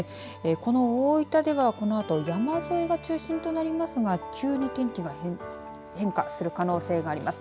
この大分ではこのあと山沿いが中心となりますが急に天気が変化する可能性があります。